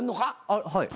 はい。